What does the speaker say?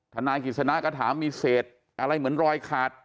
ธนาฬิกฤษณากระถามมีเศษอะไรเหมือนรอยขาด